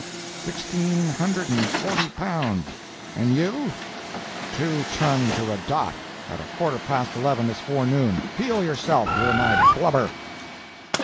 "Sixteen hundred and forty pound—and you?" "Two ton to a dot—at a quarter past eleven this forenoon—peel yourself, you're my blubber!"